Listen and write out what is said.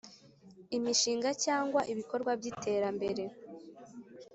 Imishinga cyangwa ibikorwa by iterambere